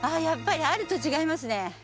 やっぱりあると違いますね